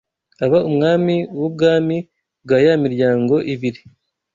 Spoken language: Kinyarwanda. aba umwami w’ubwami bwa ya miryango ibiri